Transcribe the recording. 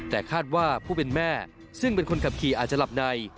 แต่คาดว่าผู้เป็นแม่ซึ่งเป็นคนขับขี่อาจจะหลับใน